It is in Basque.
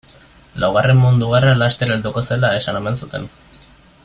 Laugarren mundu gerra laster helduko zela esan omen zuen.